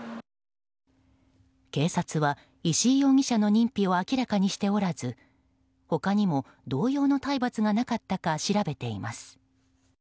警察は石井容疑者の認否を明らかにしておらず他にも同様の体罰がなかったか調べています。